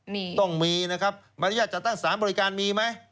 มีต้องมีนะครับบริษัทจัดตั้งสถานบริการมีไหม